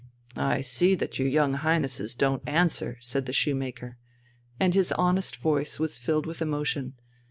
"I see that your young Highnesses don't answer," said the shoemaker. And his honest voice was filled with emotion.